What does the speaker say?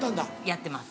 やってます。